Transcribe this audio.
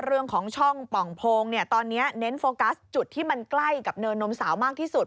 เรื่องของช่องป่องโพงเนี่ยตอนนี้เน้นโฟกัสจุดที่มันใกล้กับเนินนมสาวมากที่สุด